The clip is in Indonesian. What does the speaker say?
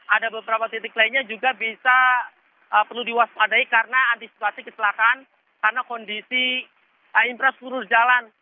ada beberapa titik lainnya juga bisa perlu diwaspadai karena antisipasi kecelakaan karena kondisi infrastruktur jalan